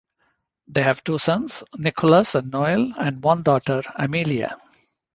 They have two sons, Nicholas and Noel, and one daughter, Amelia.